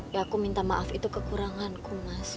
ya aku minta maaf itu kekuranganku mas